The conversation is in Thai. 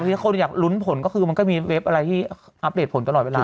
ที่คนอยากลุ้นผลก็คือมันก็มีเว็บอะไรที่อัปเดตผลตลอดเวลา